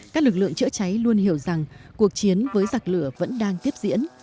các lực lượng chữa cháy luôn hiểu rằng cuộc chiến với giặc lửa vẫn đang tiếp diễn